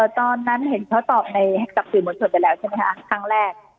ตอนนั้นเห็นเขาตอบกับสื่อมวลชนไปแล้วใช่ไหมคะครั้งแรก